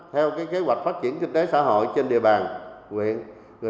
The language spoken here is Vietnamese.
theo kế hoạch phát triển kinh tế xã hội trên địa bàn huyện